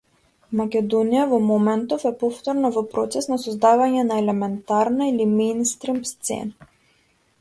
Македонија во моментов е повторно во процес на создавање на елементарна или меинстрим сцена.